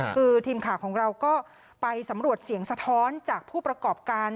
คือทีมข่าวของเราก็ไปสำรวจเสียงสะท้อนจากผู้ประกอบการ